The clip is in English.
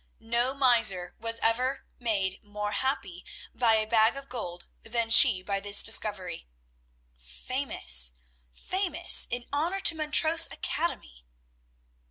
No miser was ever made more happy by a bag of gold than she by this discovery. "Famous! famous! An honor to Montrose Academy!"